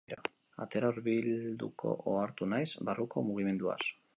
Atera hurbilduko ohartu naiz barruko mugimenduaz.